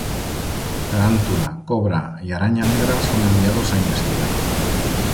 Tarantula, Cobra y Araña Negra son enviados a investigar.